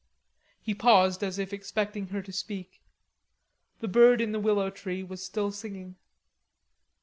He paused as if expecting her to speak. The bird in the willow tree was still singing.